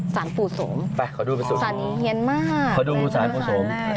ศาลภูสงศาลนี้เย็นมากศาลแบบนี้ก็ศาลแรก